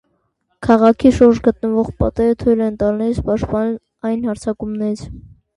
Քաղաքի շուրջ գտնվող պատերը թույլ են տալիս պաշտպանել այն հարձակումներից։